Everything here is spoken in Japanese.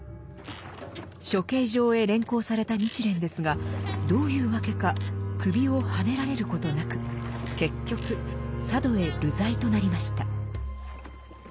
処刑場へ連行された日蓮ですがどういうわけか首をはねられることなく結局佐渡へ流罪となりました。